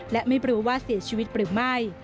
และไม่รู้ว่าเสียชีวิตหรือไม่